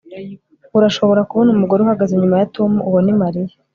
Urashobora kubona umugore uhagaze inyuma ya Tom Uwo ni Mariya